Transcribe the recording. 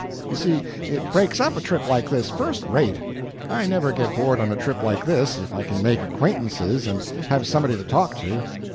"You see it breaks up a trip like this, first rate. I never got bored on a trip like this, if I can make acquaintances and have somebody to talk to.